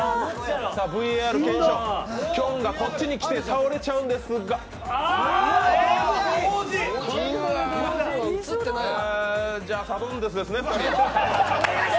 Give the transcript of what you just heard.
ＶＡＲ検証、きょんがこっちに来て倒れちゃうんですがうわあサドンデスですね。